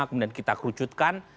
kemudian kita kerucutkan